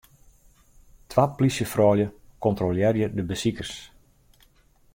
Twa plysjefroulju kontrolearje de besikers.